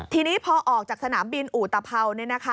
ทีนี้พอออกจากสนามบินอุตภัวร์